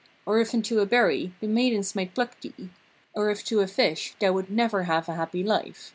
Or if into a berry, the maidens might pluck thee. Or if to a fish, thou would never have a happy life.